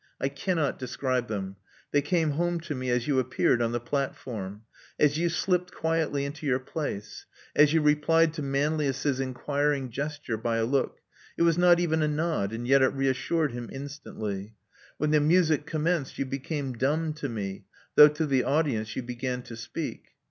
I cannot describe them ; they came home to me as you appeared on the platform; as you slipped quietly into your place; as you replied to Manlius's enquiring gesture by ajook — it was not even a nod,^and yet it reassured him instantly. When the music commenced you became dumb to me, though to the audience you began to speak.